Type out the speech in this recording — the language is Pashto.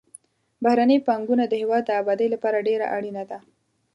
بهرنۍ پانګونه د هېواد د آبادۍ لپاره ډېره اړینه ده.